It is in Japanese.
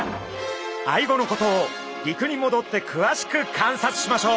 アイゴのことを陸にもどってくわしく観察しましょう。